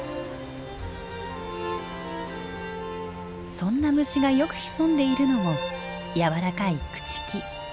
そんな虫がよく潜んでいるのも軟らかい朽ち木。